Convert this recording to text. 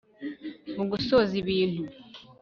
mugusoza ibintu